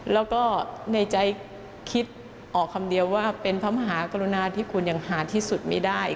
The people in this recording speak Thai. แล้วก็ในใจคิดออกคำเดียวว่าเป็นพระมหากรุณาที่คุณอย่างหาที่สุดไม่ได้